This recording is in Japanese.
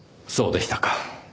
そうでしたか。